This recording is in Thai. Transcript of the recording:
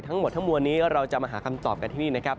ทั้งหมดทั้งมวลนี้เราจะมาหาคำตอบกันที่นี่นะครับ